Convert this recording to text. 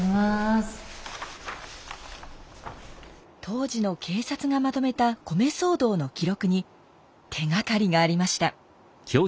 当時の警察がまとめた米騒動の記録に手がかりがありました。